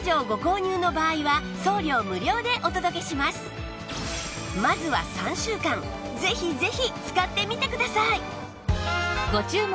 さらにまずは３週間ぜひぜひ使ってみてください